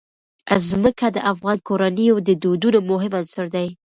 ځمکه د افغان کورنیو د دودونو مهم عنصر دی.